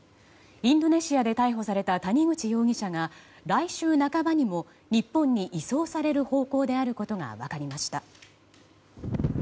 インドネシアで逮捕された谷口容疑者が来週半ばにも日本に移送される方向であることが分かりました。